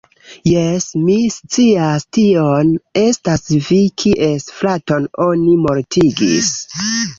Jes, mi scias tion. Estas vi kies fraton oni mortigis